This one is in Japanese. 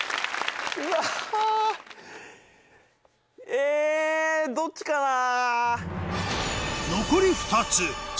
えどっちかなぁ？